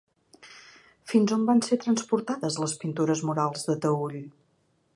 Fins on van ser transportades les pintures murals de Taüll?